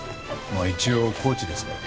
まあ一応コーチですから。